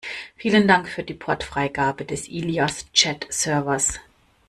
Vielen Dank für die Portfreigabe des Ilias Chat-Servers!